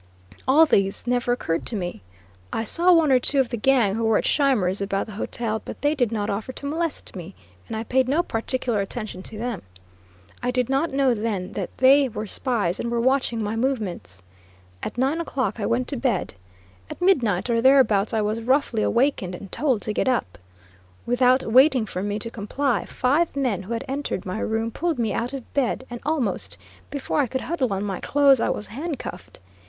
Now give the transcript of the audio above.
All this never occurred to me. I saw one or two of the gang who were at Scheimer's about the hotel, but they did not offer to molest me, and I paid no particular attention to them. I did not know then that they were spies and were watching my movements. At nine o'clock I went to bed. At midnight, or thereabouts, I was roughly awakened and told to get up. Without waiting for me, to comply, five men who had entered my room pulled me out of bed, and almost before I could huddle on my clothes I was handcuffed.